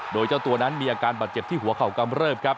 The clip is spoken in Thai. โดยเจ้าตัวนั้นมีอาการบาดเจ็บที่หัวเข่ากำเริบครับ